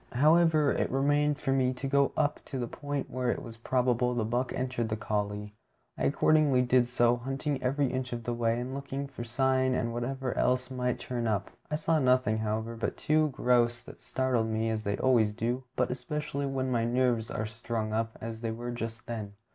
However, it remained for me to go up to the point where it was probable the buck entered the coulée. I accordingly did so, hunting every inch of the way, and looking for sign and whatever else might turn up. I saw nothing, however, but two grouse that startled me, as they always do, but especially when my nerves are strung up as they were just then.